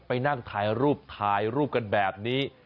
ไปนั่งถ่ายรูปถ่ายรูปกันแบบนี้